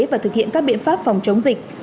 và thực hiện các biện pháp phòng chống dịch